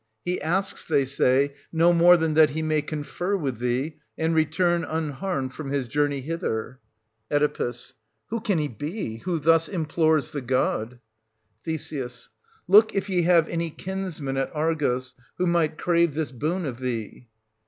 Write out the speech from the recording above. He asks, they say, no more than that he may confer with thee, and return unharmed from his journey hither. Oe. Who can he be who thus implores the god ? Th. Look if ye have any kinsman at Argos, who might crave this boon of thee.